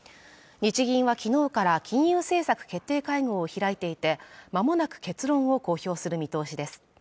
日銀はきのうから金融政策決定会合を開いていてまもなく結論を公表する見通しです